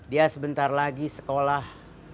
dia sebentar lagi sekolah